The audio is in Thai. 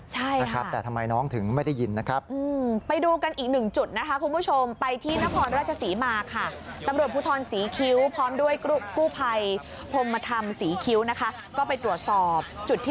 ใช่ค่ะแต่ทำไมน้องถึงไม่ได้ยินนะครับ